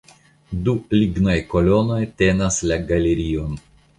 Du lignaj kolonoj tenas la galerion.